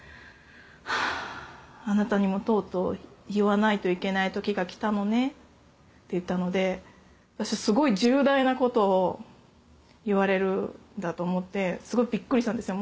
「はぁあなたにもとうとう言わないといけない時が来たのね」って言ったので私はすごい重大なことを言われるんだと思ってすごいビックリしたんですよ